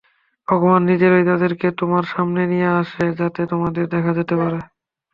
ভগবান নিজেই তাদেরকে তোমার সামনে নিয়ে আসে, যাতে তোমাদের দেখা হতে পারে।